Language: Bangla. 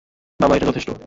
বাবা, এটা যথেষ্ট নয়।